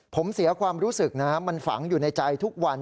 ผมเสียความรู้สึกนะมันฝังอยู่ในใจทุกวัน